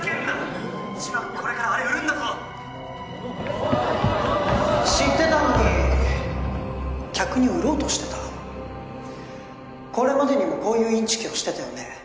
うちはこれからあれ売るんだぞ知ってたのに客に売ろうとしてたこれまでにもこういうインチキをしてたよね